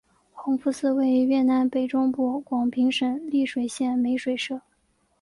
弘福寺位于越南北中部广平省丽水县美水社。